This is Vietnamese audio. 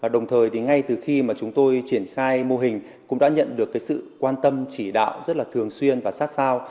đồng thời ngay từ khi chúng tôi triển khai mô hình cũng đã nhận được sự quan tâm chỉ đạo rất thường xuyên và sát sao